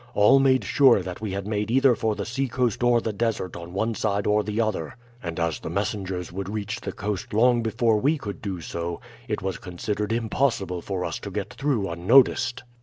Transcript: All made sure that we had made either for the seacoast or the desert on one side or the other, and as the messengers would reach the coast long before we could do so, it was considered impossible for us to get through unnoticed.